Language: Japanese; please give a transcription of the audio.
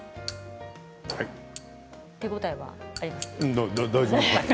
手応えはありますか。